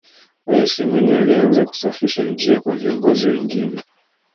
raisi mwinyi alianza kusafisha njia kwa viongozi wengine